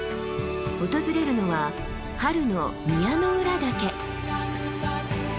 訪れるのは春の宮之浦岳。